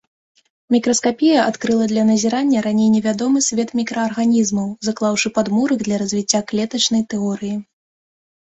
Мікраскапія адкрыла для назірання раней невядомы свет мікраарганізмаў, заклаўшы падмурак для развіцця клетачнай тэорыі.